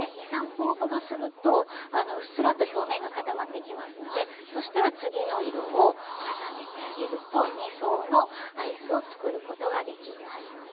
２３分ほどするとうっすらと表面が固まってきますのでそしたら次の色を重ねてあげると２層のアイスを作ることができます。